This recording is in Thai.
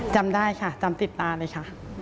จำได้ค่ะจำติดตาเลยค่ะ